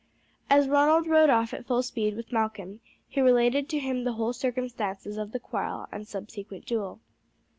As Ronald rode off at full speed with Malcolm he related to him the whole circumstances of the quarrel and subsequent duel.